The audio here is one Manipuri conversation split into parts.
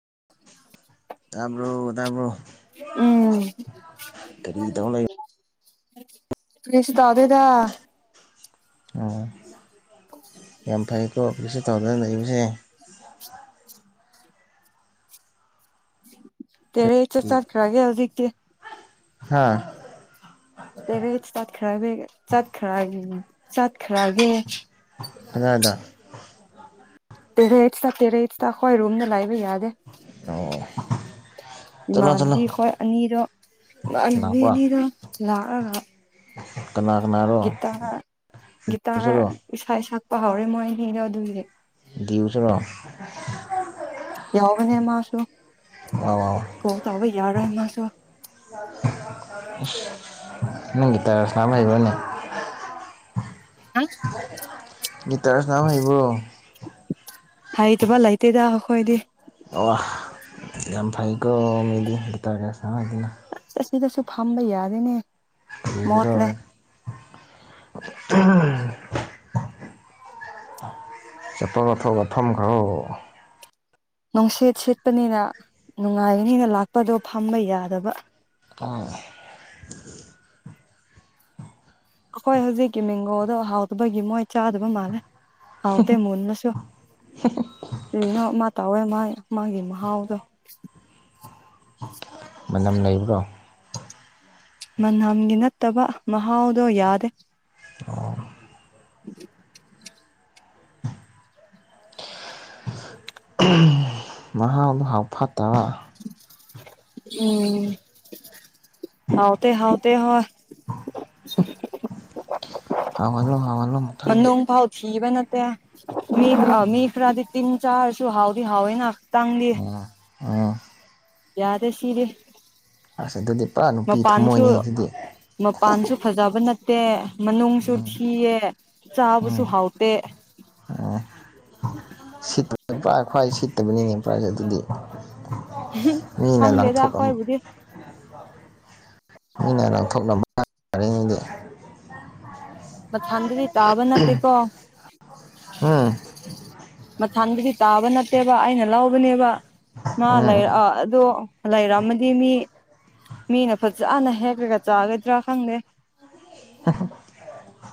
[inaudible] ꯇꯥꯕ꯭ꯔꯣ ꯇꯥꯕ꯭ꯔꯣ ꯀꯔꯤ ꯇꯧ ꯂꯩ ꯎꯝ ꯀꯁꯗꯥꯗꯗ ꯑꯣ ꯌꯥꯝ ꯐꯩ ꯇꯣꯞꯀꯤꯁ ꯇꯧꯗ ꯂꯩꯕꯁꯦ ꯇꯦꯔ ꯆ ꯆꯇ꯭ꯔꯒꯦ ꯍꯧꯖꯤꯛꯀꯤ ꯍꯥꯥ ꯂꯩꯔꯦ ꯆꯠꯈꯔꯒ ꯆꯠꯈꯔ ꯆꯠꯈꯔꯒꯦ ꯑꯗ ꯑꯗ ꯇꯦꯔ ꯏꯠ ꯇ ꯇꯦꯔ ꯏꯠꯁ ꯍꯣꯏ ꯔꯨꯝꯝꯅ ꯂꯥꯏꯕ ꯌꯥꯗꯦ ꯑꯣ ꯆꯠꯂꯣ ꯆꯠꯂꯣ ꯏꯃꯥꯟꯅꯕꯤꯈꯣꯏ ꯑꯅꯤꯗꯣ ꯏꯃꯥꯟꯅꯕꯤ ꯂꯥꯛꯄ꯭ꯔꯥ ꯑꯅꯤꯗꯣ ꯂꯥꯛꯑꯒ ꯀꯅꯥ ꯀꯅꯥꯔꯣ ꯒꯤꯇꯥꯔ ꯒꯤꯇꯥꯔ ꯁꯨꯔꯣ ꯏꯁꯥ ꯁꯛꯄ ꯍꯧꯥꯎꯔꯦ ꯃꯣꯏꯅꯤꯗꯣ ꯑꯗꯨꯒꯤꯁꯦ ꯎꯁꯔꯣ ꯌꯥꯎꯅꯦ ꯃꯥꯁꯨ ꯑꯥꯎ ꯑꯥꯎ ꯀ ꯇ ꯍꯕ ꯌꯥꯔ ꯔ ꯃꯥꯁꯨ ꯅꯪꯒꯤ ꯇꯔ ꯁꯅꯥꯕꯅꯤ ꯑ ꯒꯤꯇꯔꯁꯅꯥ ꯍꯥꯏꯥꯏꯕꯣ ꯍ ꯇꯕ ꯂ ꯂꯩꯇꯦꯗ ꯍꯈꯣꯏꯣꯏꯗꯤ ꯑ ꯌꯥꯝ ꯐꯩꯀꯣ ꯃꯤꯗꯤꯇꯥꯔꯦ ꯁ ꯍꯥꯏꯗꯅ ꯑꯁꯤ ꯑꯁꯤꯗꯁꯨ ꯐꯝꯝꯕ ꯌꯥꯗꯦꯅꯦ ꯃꯣꯠꯂꯦ ꯊꯔꯦ ꯆꯇꯣꯒꯊꯊꯧ ꯋꯥꯊꯝꯈꯣ ꯅꯨꯡꯁꯤꯠ ꯁꯤꯠꯄꯅꯤꯅ ꯅꯨꯡꯉꯥꯏꯕꯅꯤꯅ ꯂꯥꯛꯄꯗꯣ ꯐꯝꯕ ꯌꯥꯗꯕ ꯑꯥ ꯑꯩꯈꯣꯏ ꯍꯧꯖꯤꯛꯀꯤ ꯃꯦꯡꯒꯣꯗ ꯍꯥꯎꯗꯕꯒꯤ ꯃꯣꯏ ꯆꯥꯗꯕ ꯃꯥꯜꯂꯦ ꯍꯥꯎ ꯇ ꯃꯣꯜꯅꯁꯨꯣ ꯀꯔꯤꯅꯣ ꯃꯥ ꯇꯧꯋꯦ ꯃꯥ ꯃꯥꯒꯤ ꯃꯍꯥꯎꯗꯣ ꯃꯅꯝ ꯂꯩꯕ꯭ꯔꯣ ꯃꯅꯝꯒꯤ ꯅꯠꯇꯕ ꯃꯍꯥꯎꯗꯣ ꯌꯥꯗꯦ ꯑꯗꯨ [inaudible] ꯃꯍꯥꯎ ꯍꯥꯎ ꯐꯠꯇꯕ ꯎꯝ ꯍꯥꯎꯇꯦ ꯍꯥꯎꯇꯦ ꯍꯣꯏ ꯍꯥꯍꯜꯂꯣ ꯍꯍꯜꯂꯣ ꯃꯊꯪꯗꯤ ꯃꯅꯨꯡ ꯐꯥꯎ ꯊꯤꯕ ꯅꯠꯇꯦ ꯃꯤ ꯃꯤ ꯈꯔ꯭ꯗꯤ ꯇꯤꯟ ꯆꯥꯁꯨ ꯍꯥꯎꯗꯤ ꯍꯋꯦꯅ ꯆꯥꯡꯂꯤ [inaudible] ꯎꯝ ꯌꯥꯗꯦ ꯁꯤꯗꯤ ꯑꯁ ꯑꯗꯨꯗꯤ ꯄꯨꯔꯥ ꯅꯨꯄꯤ ꯃꯄꯥꯟꯁꯨ ꯊꯝꯃꯣꯏꯅꯤ ꯑꯗꯨꯗꯤ ꯃꯄꯥꯟꯁꯨ ꯐꯖꯕ ꯅꯠꯇꯦ ꯃꯅꯨꯡꯁꯨ ꯊꯤꯌꯦ ꯆꯥꯕꯁꯨ ꯍꯥꯎꯇꯦ ꯎꯝ ꯁꯤꯠꯇꯅꯦ [inaudible] ꯈ꯭ꯋꯥꯏ ꯁꯤꯠꯇꯕꯅꯤꯅꯦ ꯄꯥꯁꯦ [inaudible] ꯑꯗꯨꯗꯤ ꯃꯤꯅ ꯈꯪꯗꯦꯗ ꯂꯪꯊꯣꯛꯑꯝ ꯑꯩꯈꯣꯏꯕꯨꯗꯤ ꯃꯤꯅ ꯂꯥꯛꯊꯣꯛꯅꯕ ꯃꯊꯟꯗꯗꯤ ꯇꯥꯕ ꯅꯠꯇꯦꯀꯣ ꯎꯝ ꯃꯊꯪꯗꯗꯤ ꯇꯥꯕ ꯅꯠꯇꯦꯕ ꯑꯩꯅ ꯂꯧꯕꯅꯦꯕ ꯃꯥ ꯎꯝ ꯎꯝ ꯂꯩꯔ ꯑꯗꯣ ꯂꯩꯔꯝꯃ ꯃꯤ ꯃꯤꯅ ꯐꯖꯅ ꯍꯦꯛꯂꯒ ꯆꯥꯒꯗ꯭ꯔꯥ ꯈꯪꯗꯦ ꯑ [unintelligible]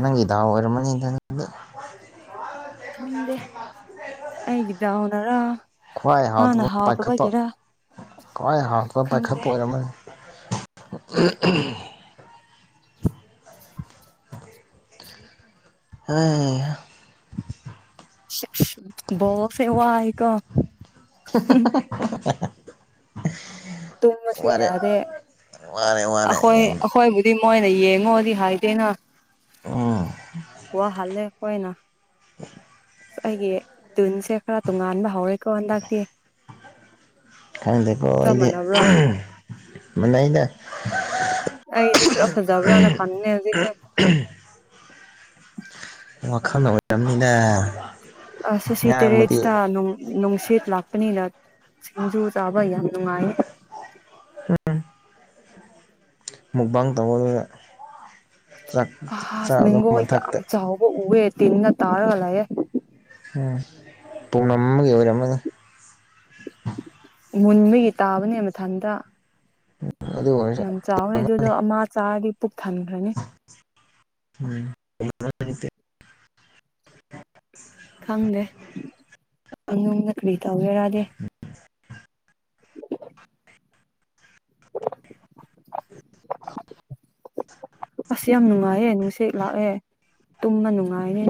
ꯅꯪꯒꯤ ꯗꯥꯎ ꯑꯣꯏꯔꯝꯃꯅꯤꯗꯨꯗꯤ ꯍꯗꯦ ꯑꯩꯩꯒꯗꯥꯎꯅꯔꯥ ꯈ꯭ꯋꯥꯏ ꯍꯥꯎꯇꯕ ꯄꯥꯏꯈꯠꯄ ꯈ꯭ꯋꯥꯏ ꯍꯥꯎꯇꯕ ꯈꯪꯗꯦ ꯄꯥꯏꯈꯠꯄ ꯑꯣꯏꯔꯝꯃꯅꯤ ꯎꯝ ꯎꯝ ꯍ ꯣꯁꯦ ꯋꯥ ꯍꯥꯏꯀꯣ [unintelligible] ꯇꯨꯝꯃꯁꯨ ꯋꯥꯔꯦ ꯌꯥꯗꯦ ꯋꯥꯔꯦ ꯋꯥꯔꯦ ꯑꯩꯈꯣꯏ ꯌꯥꯝꯅ ꯑꯩꯈꯣꯏꯕꯨꯗꯤ ꯃꯣꯏꯅ ꯌꯦꯡꯉꯣꯗꯤ ꯍꯥꯏꯗꯦꯅ ꯎꯝ ꯋꯥꯍꯜꯂꯦ ꯑꯩꯈꯣꯏꯅ ꯑꯩꯒꯤ ꯇ꯭ꯤꯟꯁꯦ ꯈꯔ ꯇꯣꯉꯥꯟꯕ ꯍꯧꯔꯦꯀꯣ ꯍꯟꯗꯛꯇꯤ ꯈꯪꯗꯦꯀꯣ ꯆꯞ ꯑꯩꯗꯤ ꯃꯥꯟꯅꯕ꯭ꯔꯣ ꯃꯅꯩꯗ ꯑꯩꯗꯤ ꯈꯔ ꯐꯖꯥꯕꯔꯥꯅ ꯈꯪꯅꯦ ꯆ ꯋꯥꯈꯜꯅ ꯑꯣꯏꯔꯝꯅꯤꯗ ꯑꯁ ꯁꯤꯇꯔꯦꯁ ꯉꯥꯡꯕꯗꯤ ꯇꯅꯣ ꯅꯨꯡꯁꯤꯠ ꯂꯥꯛꯄꯅꯤꯅ ꯁꯤꯡꯖꯨ ꯆꯥꯕ ꯌꯥꯝ ꯅꯨꯡꯉꯥꯏ ꯃꯨꯛꯕꯥꯡ ꯇꯧꯃꯗꯨꯅ [inaudible] ꯃꯦꯡꯒꯣ ꯌꯥꯝ ꯆꯥꯎꯕ ꯎꯌꯦ ꯇꯤꯅꯤꯅ ꯇꯥꯔꯒꯂꯌꯦ ꯄꯥꯎꯅꯝ ꯑꯃꯒꯤ ꯑꯣꯏꯔꯝꯃꯅꯤ ꯃꯨꯟꯕꯒꯤ ꯇꯥꯕꯅꯦ ꯃꯊꯟꯇ ꯑꯗꯨ ꯑꯣꯏꯔꯁꯨ ꯌꯥꯝ ꯆꯥꯎꯋꯦ ꯑꯗꯨꯗꯣ ꯑꯃꯅꯤ ꯑꯃꯥ ꯆꯔꯥꯒꯤ ꯄꯨꯛ ꯊꯟꯈ꯭ꯔꯅꯤ ꯎꯝ [unintelligible] ꯈꯪꯗꯦ ꯅꯨꯡꯗ ꯀꯔꯤ ꯇꯧꯒꯦꯔꯗꯤ [unintelligible] ꯑ [unintelligible] ꯑꯁ ꯌꯥꯝ ꯅꯨꯡꯉꯥꯏꯌꯦ ꯅꯨꯡꯁꯤꯠ ꯂꯥꯛꯑꯦ ꯇꯨꯝꯕ ꯅꯨꯡꯉꯥꯏꯌꯦ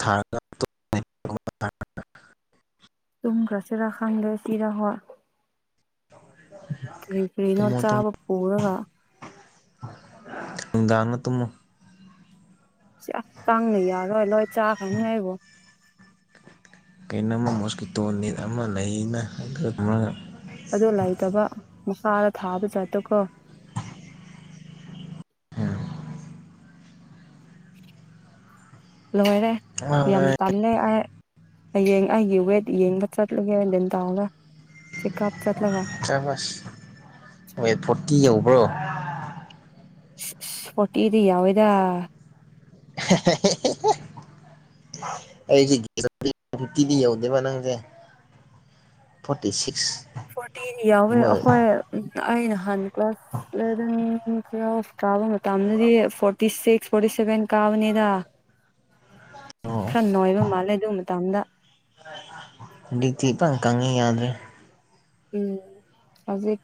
ꯊ [unintelligible] ꯑ [inaudible] ꯇꯨꯡꯒ꯭ꯔꯁꯤꯔ ꯈꯥꯡꯒꯦ ꯆꯤꯔꯥ [inaudible] ꯀꯔꯤꯅꯣ ꯇꯨꯝꯃꯨ ꯆꯥꯕ ꯄꯨꯔꯒ ꯅꯨꯡꯗꯥꯡꯅ ꯇꯨꯝꯃꯨ ꯁꯤ ꯇꯥꯡꯅ ꯌꯥꯔꯣꯏ ꯂꯣꯏ ꯆꯥ ꯈꯅꯤ ꯍꯥꯏꯕꯣ ꯀꯩꯅꯣꯝ ꯃꯣꯁꯀꯤꯇꯣꯟ ꯅꯤ ꯑꯃ ꯂꯩꯅ ꯑꯗꯨꯒ ꯃꯈꯁꯥꯗ ꯊꯥꯕ ꯆꯠꯇ ꯀꯣ ꯂꯣꯏꯔꯦ ꯌꯥꯝ ꯇꯝꯂꯦ ꯑꯩ ꯍꯌꯦꯡ ꯑꯩꯒꯤ ꯋꯦꯠ ꯌꯦꯡꯕ ꯆꯠꯂꯨꯒꯦꯅ ꯗꯦꯟ ꯇꯧꯒꯞ ꯁ ꯋꯦꯠ ꯐꯣꯔꯇꯤ ꯌꯧꯕ꯭ꯔꯣ ꯣꯇꯤꯗꯤ ꯌꯥꯎꯗ [unintelligible] ꯑꯩꯁꯦ ꯐꯤꯇꯗꯤꯎꯗꯕ ꯅꯪꯖꯦ ꯐꯣꯔꯇꯤ ꯁꯤꯛꯁ ꯐꯣꯔꯇꯤꯟ ꯌꯥꯎꯋꯦ ꯒꯨꯝꯕ ꯑꯩꯈꯣꯏ ꯎ ꯑ ꯅꯍꯥꯟ ꯀ꯭ꯂꯥꯁ ꯏꯂꯚꯦꯟ ꯇꯨꯌꯦꯜꯐ ꯇꯥꯕ ꯃꯇꯝꯗꯗꯤ ꯐꯣꯔꯇꯤ ꯁꯤꯛꯁ ꯐꯣꯔꯇꯤ ꯁꯤꯕꯦꯟ ꯀꯥꯎꯅꯦꯗꯥ ꯎ ꯈꯔ ꯅꯨꯡꯉꯥꯏꯕ ꯃꯥꯜꯂꯦ ꯑꯗꯨ ꯃꯇꯝꯗ ꯑꯗꯨ ꯇꯦ ꯄ ꯀꯪꯉꯤ ꯌꯥꯗꯦ ꯎꯝ ꯍꯧꯖꯤ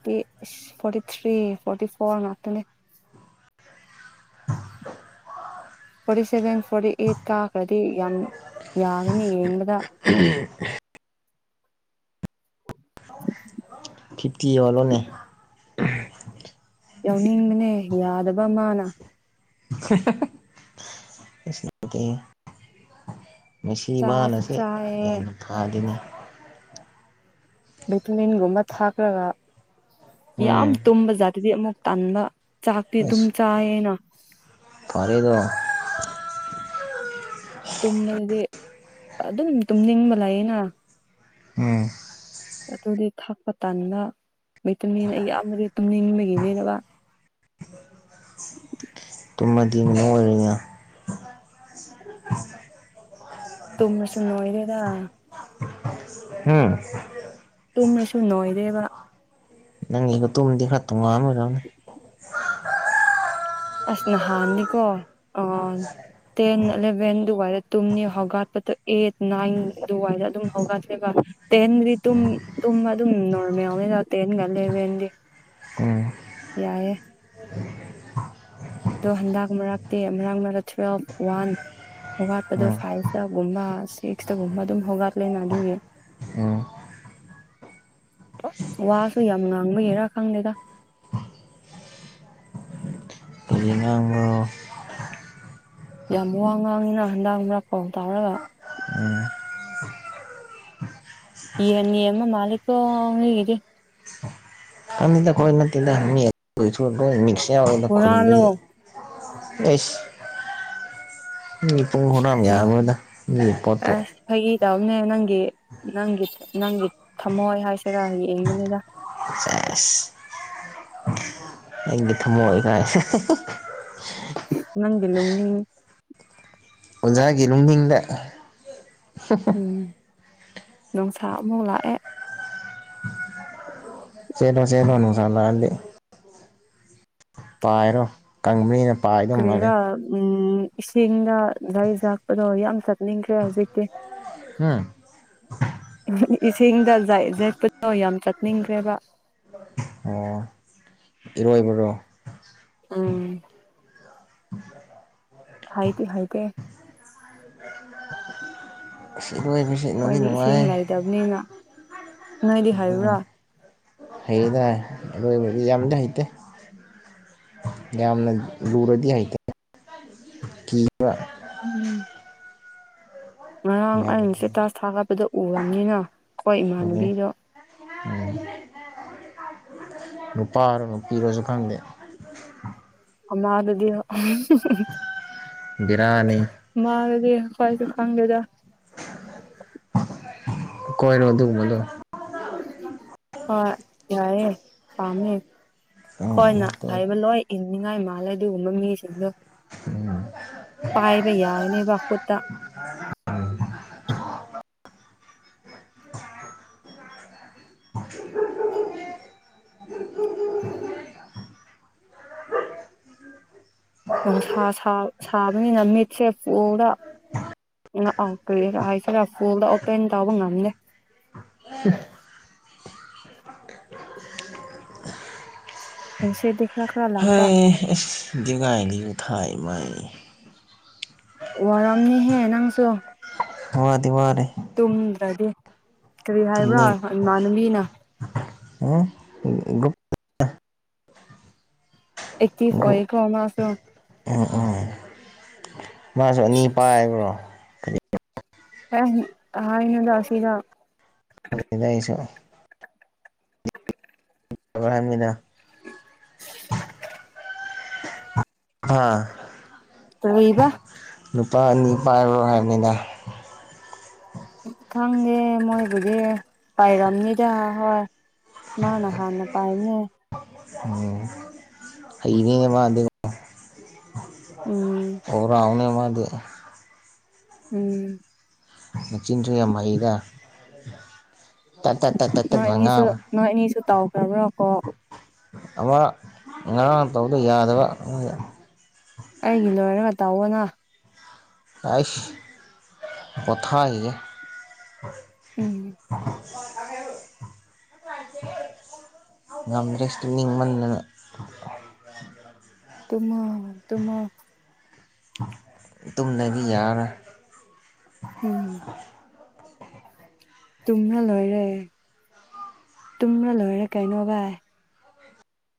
forty three forty four ꯅꯠꯇꯅꯦ [unintelligible] forty seven forty eight ꯀꯥꯈ꯭ꯔꯗꯤ ꯌꯥꯝ ꯌꯥꯒꯅꯤ ꯌꯦꯡꯕꯗ ꯐꯤꯐꯇꯤ ꯍꯜꯂꯣꯅꯦ ꯌꯥꯎꯅꯤꯡꯕꯅꯦ ꯌꯥꯗꯕ ꯑꯃꯅ [unintelligible] ꯑꯣꯗꯒꯤ ꯃꯁꯤ ꯆꯥꯁꯨ ꯃꯥꯅꯁꯦ ꯆꯥꯏꯌꯦ ꯌꯥꯝꯅ ꯊꯥꯗꯅꯤ ꯚꯦꯇꯃꯤꯟꯒꯨꯝꯕ ꯊꯥꯛꯈ꯭ꯔꯒ ꯌꯥꯝ ꯎꯝ ꯇꯨꯝꯕ ꯖꯥꯠꯇꯗꯤ ꯑꯃꯨꯛ ꯇꯥꯟꯕ ꯆꯥꯛꯇꯤ ꯑꯗꯨꯝ ꯆꯥꯏꯌꯦꯅ ꯐꯔꯦꯗ ꯇꯨꯝꯕꯗꯗꯤ ꯑꯗꯨꯝ ꯇꯨꯝꯅꯤꯡꯕ ꯂꯩꯌꯦꯅ ꯎꯝ ꯑꯗꯨꯗꯤ ꯊꯥꯛꯄ ꯇꯥꯟꯕ ꯃꯩꯇꯝꯃꯦꯅ ꯑꯩ ꯌꯥꯝꯕꯗꯤ ꯇꯨꯝꯅꯤꯡꯕꯒꯤꯅꯦꯕ ꯇꯨꯝꯃꯗꯤ ꯃꯔ ꯑꯣꯏꯔꯤꯉ ꯇꯨꯝꯃꯁꯨꯨꯝꯅꯣꯏꯣꯏꯗꯦꯗ ꯍꯨꯝ ꯇꯨꯝꯅꯁꯨ ꯅꯣꯏꯔꯦꯕ ꯅꯪꯦꯒ ꯇꯣꯝꯗꯤ ꯈꯇꯣ ꯉ ꯃꯅ ꯑꯁ ꯅꯍꯥꯟꯅꯤꯀꯣ ꯑ ꯇꯦꯟ ꯑꯦꯂꯚꯦꯟ ꯑꯗꯨꯋꯥꯏꯗ ꯇꯨꯝꯅꯤ ꯍꯧꯒꯠꯄꯗꯣ ꯑꯩꯠ ꯅꯥꯏꯟ ꯑꯗꯨꯋꯥꯏꯗ ꯑꯗꯨꯝ ꯍꯧꯒꯠꯂ ꯇꯦꯡꯟꯔꯤ ꯇ ꯇ ꯑꯗꯨꯝ ꯅꯣꯃꯦꯦ ꯇꯦꯡꯦꯟꯒꯂꯦꯕꯟꯔꯤ ꯍ ꯌꯥꯏꯑꯌꯦꯦ ꯑꯗꯣ ꯍꯟꯗꯛ ꯃꯔꯛꯇꯦ ꯃꯔꯛ ꯃꯔ ꯇꯨꯋꯦꯜꯐ ꯋꯥꯟ ꯍꯧꯒꯠꯄꯗꯣ ꯎꯝ ꯐꯥꯏꯚꯇꯒꯨꯝꯕ ꯁꯤꯛꯁꯇꯒꯨꯝꯕ ꯑꯗꯨꯝ ꯍꯧꯒꯠꯂꯦꯅ ꯑꯗꯨꯒꯤ ꯑꯣ ꯋꯥꯁꯨ ꯌꯥꯝ ꯉꯥꯡꯕꯒꯤꯔꯥ ꯈꯪꯗꯦꯗ [unintelligible] ꯀꯔꯤ ꯉꯥꯡꯕ꯭ꯔꯣ ꯌꯥꯝ ꯋꯥ ꯉꯥꯡꯉꯤꯅ ꯍꯟꯗꯥꯡ ꯃꯔꯛꯄꯥꯎ ꯇꯥꯎꯔꯒ ꯌꯦꯅꯤꯑꯃ ꯃꯥꯂꯤꯀꯣ ꯑꯒꯗꯤ ꯑꯗꯈꯣꯏꯅ ꯃꯤꯁꯌꯥ ꯑꯣꯏ ꯍꯨꯔꯥꯜꯂꯣ ꯈꯦ ꯁ ꯃꯤ ꯄꯨꯡ ꯍꯔꯥꯝ ꯌꯥꯃꯣꯏꯗ ꯃꯤ ꯄꯣꯠꯇꯣ ꯌꯥꯎꯅꯦ ꯅꯪꯒꯤ ꯅꯪꯒꯤ ꯅꯪꯒꯤ ꯊꯝꯃꯣꯏ ꯍꯥꯏꯁꯤꯔꯥ ꯌꯦꯡꯕꯅꯤꯅ ꯐꯦꯁ ꯑꯩꯒꯤ ꯊꯃꯣꯏꯒꯥꯏꯁ ꯅꯪꯒ ꯂꯣ ꯎꯅꯤ ꯑꯣꯖꯒꯤ ꯂꯨꯨꯝꯗꯤꯡꯗ ꯎꯝ ꯅꯨꯡꯁꯥ ꯑꯃꯨꯛ ꯂꯥꯛꯑꯦ ꯆꯦꯜꯂꯣ ꯆꯦꯜꯂꯣ ꯅꯨꯡꯁꯥꯥ ꯂꯛꯑꯗꯤ ꯄꯥꯏꯔꯣ ꯀꯥꯡ ꯃꯤ ꯀꯔꯤꯔ ꯎꯝ ꯎꯝ ꯏꯁꯤꯡꯗ ꯂꯩꯁꯥꯠꯄꯗꯣ ꯌꯥꯝ ꯆꯠꯅꯤꯡꯈ꯭ꯔꯦ ꯍꯧꯖꯤꯛꯇꯤ ꯍꯝ ꯏꯁꯤꯡꯗ ꯖꯦꯛꯄꯗꯣ ꯌꯥꯝ ꯆꯠꯅꯤꯡꯈ꯭ꯔꯦꯕ ꯑꯣ ꯏꯔꯣꯏꯕꯔꯣ ꯎꯝ ꯍꯩꯗꯤ ꯍꯩꯇꯦ ꯑꯁ ꯏꯔꯣꯏꯕꯁꯤ ꯅꯨꯡꯗꯤ ꯑꯈꯣꯏꯗꯤ ꯏꯁꯤꯡ ꯅꯨꯡꯉꯥꯏ ꯂꯩꯇꯕꯅꯤꯅ ꯅꯣꯏꯗꯤ ꯍꯩꯕ꯭ꯔꯣ ꯍꯩꯗ ꯏꯔꯣꯏꯕꯗꯤ ꯌꯥꯝꯗꯤ ꯍꯩꯇꯦ ꯌꯥꯝꯅ ꯂꯨꯔꯗꯤ ꯍꯩꯇꯦ ꯀꯤꯕ ꯎꯝ ꯉꯔꯥꯡ ꯌꯥꯝ ꯑꯩꯅ ꯁ꯭ꯇꯦꯇꯁ ꯊꯥꯒꯠꯄꯗ ꯎꯔꯝꯅꯤꯅ ꯑꯈꯣꯏ ꯂꯨꯏ ꯏꯃꯥꯟꯅꯕꯤꯗꯣ ꯅꯨꯄꯥꯔꯣ ꯅꯨꯄꯤꯔꯣꯁꯨ ꯈꯪꯗꯦ ꯑꯃꯗꯗꯤ ꯕꯦꯔꯥꯅꯤ ꯑꯈꯣꯏꯁꯨ ꯈꯪꯗꯦꯗ ꯀꯣꯏꯔꯣ ꯑꯗꯨꯒꯨꯝꯕꯗꯣ ꯍꯣꯢ ꯌꯥꯏꯌꯦ ꯄꯥꯝꯃꯦ ꯎꯝ ꯑꯈꯣꯏꯅ ꯀꯣꯏ ꯍꯥꯏꯕ ꯂꯣꯏ ꯏꯟꯅꯤꯡꯉꯥꯏ ꯃꯥꯜꯂꯦ ꯑꯗꯨꯒꯨꯝꯕ ꯃꯤꯁꯤꯡꯗꯣ ꯄꯥꯏꯕ ꯌꯥꯔꯅꯦꯕ ꯈꯨꯠꯇ ꯅꯨꯡꯁꯥ ꯁꯥꯕꯅꯤꯅ ꯃꯤꯠꯁꯦ ꯄꯨꯔꯥ ꯥꯎ ꯀꯔꯤ ꯍꯥꯏꯁꯤꯔꯥ ꯐꯨꯟꯗ ꯑꯣꯄꯦꯟ ꯇꯧꯕ ꯉꯝꯗꯦ [inaudible] ꯅꯨꯡꯁꯤꯠꯇꯤ ꯈꯔ ꯈꯔ ꯂꯥꯛꯄ ꯗꯤꯒꯥꯏꯂꯤꯎ ꯊꯥꯏ ꯃꯥꯏ ꯋꯥꯔꯝꯅꯤꯍꯦ ꯅꯪꯁꯨ ꯋꯥꯗꯤ ꯋꯥꯔꯦ ꯇꯨꯝꯗ꯭ꯔꯗꯤ ꯀꯔꯤ ꯍꯥꯏꯕ꯭ꯔꯥ ꯇꯨꯝꯅꯤꯡ ꯏꯃꯥꯟꯅꯕꯤꯅ ꯎꯝ ꯒ꯭ꯔꯨꯞ ꯑꯦꯛꯇꯤꯞ ꯒ꯭ꯔꯨꯞ ꯑꯣꯏꯌꯦꯀꯣ ꯃꯥꯁꯨ ꯃꯥꯁꯨ ꯑꯅꯤ ꯄꯥꯏꯕ꯭ꯔꯣ ꯄꯥꯏꯔꯝꯅꯤ ꯑꯥ ꯍꯥꯏꯌꯦꯒ ꯑꯁꯤꯒ ꯑꯩ ꯁꯨ ꯍꯥꯏꯕꯅꯤꯗ [inaudible] ꯍꯥ ꯀꯔꯤꯕ ꯅꯨꯄꯥ ꯑꯅꯤ ꯄꯥꯏꯕ꯭ꯔꯣ ꯍꯥꯏꯕꯅꯤꯗ ꯈꯪꯗꯦ ꯃꯣꯏꯕꯨꯗꯤ ꯄꯥꯏꯔꯝꯅꯤꯗ ꯍꯣꯏ ꯃꯥꯅ ꯍꯥꯟꯅ ꯄꯥꯏꯕꯅꯦ ꯍꯩꯅꯦ ꯃꯥꯗꯤ ꯎꯝ ꯑꯣꯜ ꯔꯥꯎꯟꯅꯦ ꯃꯥꯗꯤ ꯎꯝ ꯃꯆꯤꯟꯁꯨ ꯌꯥꯝ ꯍꯩꯗ ꯇꯠ ꯇꯠ ꯇꯠ ꯇꯠ ꯇꯠ ꯉꯥꯡꯕ ꯅꯣꯏ ꯑꯅꯤꯁꯨ ꯇꯧꯈ꯭ꯔꯕ꯭ꯔꯥ ꯀꯣ ꯑꯃ ꯉꯔꯥꯡ ꯇꯧꯗ ꯌꯥꯗꯕ ꯑꯗꯨꯒꯤ ꯑꯩꯒꯤ ꯂꯣꯏꯔꯒ ꯇꯧꯑꯣꯅ ꯍꯩꯁ ꯄꯣꯊꯥꯒꯤꯒꯦ ꯎꯝ ꯉꯝꯗ꯭ꯔꯦ ꯇꯨꯝꯅꯤꯡꯃꯟꯗꯅ ꯇꯨꯝꯃꯣ ꯇꯨꯝꯃꯣ ꯇꯨꯝꯅꯕꯤ ꯌꯥꯕ ꯎꯝ ꯇꯨꯝꯅ ꯂꯣꯏꯔꯦ ꯇꯨꯝꯅ ꯂꯣꯏꯔꯦ ꯀꯩꯅꯣ ꯚꯥꯏ